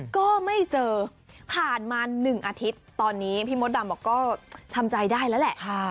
ก็ไม่เจอผ่านมา๑อาทิตย์ตอนนี้พี่มดดำบอกก็ทำใจได้แล้วแหละ